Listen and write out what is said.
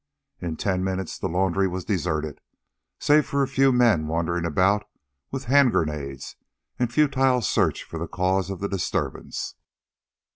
In ten minutes the laundry was deserted, save for a few men wandering about with hand grenades in futile search for the cause of the disturbance.